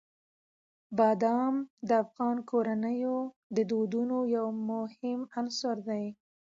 بادام د افغان کورنیو د دودونو یو مهم عنصر دی.